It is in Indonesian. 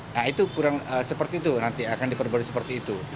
nah itu kurang seperti itu nanti akan diperbarui seperti itu